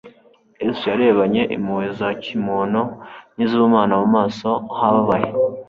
Yesu yarebanye impuhwe za kimuntu n'iz'ubumana mu maso hababaye